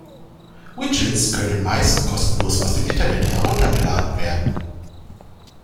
Widgets können meist kostenlos aus dem Internet heruntergeladen werden.